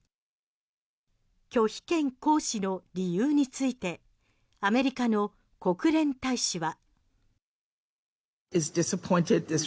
拒否権行使の理由についてアメリカの国連大使は。